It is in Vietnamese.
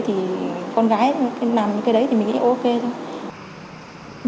thì con gái làm cái đấy thì mình nghĩ ok thôi